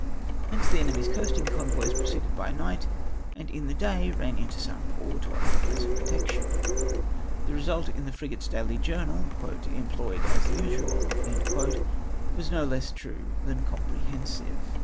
Hence the enemy's coasting convoys proceeded by night, and in the day ran into some port or other place of protection. The MY OAVN CASE. 187 result in the frigates' daily journal, — "Employed as usital" was no less true than comprehensive.